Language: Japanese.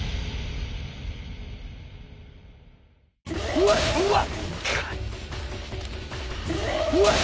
うわっうわっ！